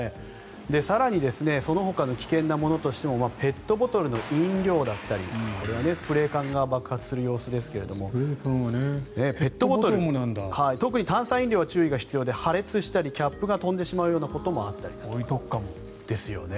更にそのほかの危険なものとしてペットボトルの飲料だったりこれはスプレー缶が爆発する様子ですがペットボトル、特に炭酸飲料は注意が必要で破裂したり、キャップが飛んでしまうこともあったり。ですよね。